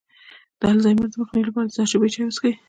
د الزایمر د مخنیوي لپاره د زردچوبې چای وڅښئ